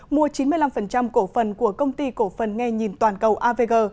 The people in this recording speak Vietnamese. mua chín mươi năm cổ phần của công ty cổ phần nghe nhìn toàn cầu avg